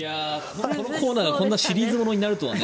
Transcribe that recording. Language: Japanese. このコーナーがこんなシリーズ物になるとは。